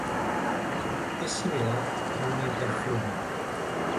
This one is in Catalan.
És similar a un interfluvi.